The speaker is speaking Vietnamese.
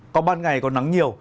còn ban ngày còn nắng nhiều